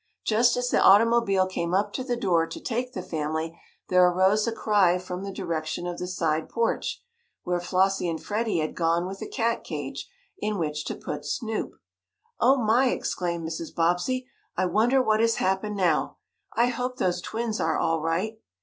Just as the automobile came up to the door to take the family, there arose a cry from the direction of the side porch where Flossie and Freddie had gone with the cat cage, in which to put Snoop. "Oh, my!" exclaimed Mrs. Bobbsey. "I wonder what has happened now? I hope those twins are all right!"